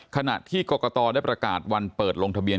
ขณะที่กรกตได้ประกาศวันเปิดลงทะเบียน